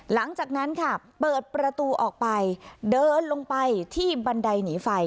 หลังจากนั้นค่ะเปิดประตูออกไปเดินลงไปที่บันไดหนีไฟ